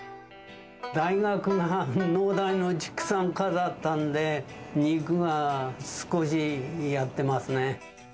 大学が農大の畜産科だったんで、肉は少しやってますね。